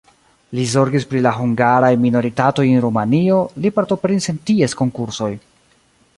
Li zorgis pri la hungaraj minoritatoj en Rumanio, li partoprenis en ties konkursoj.